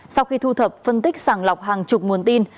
sau khi thu thập phân tích sàng lọc hàng chục nguồn tin